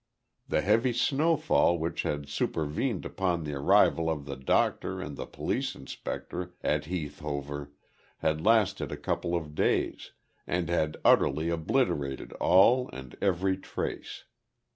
The heavy snowfall which had supervened upon the arrival of the doctor and the police inspector at Heath Hover had lasted a couple of days, and had utterly obliterated all and every trace.